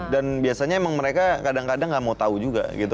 dan biasanya emang mereka kadang kadang gak mau tau juga gitu